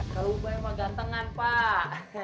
kalau ubay emang gantengan pak